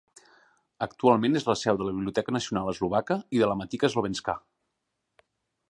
Actualment és la seu de la Biblioteca Nacional Eslovaca i de la Matica slovenská.